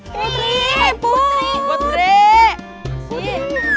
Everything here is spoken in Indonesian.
putri putri putri